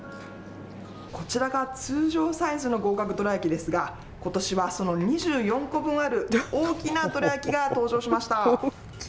こちらが通常サイズの合格どら焼きですが、ことしはその２４個分ある大きなどら焼きが登場しました。